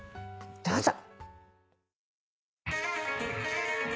どうぞ。